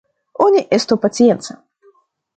Oni estu pacienca!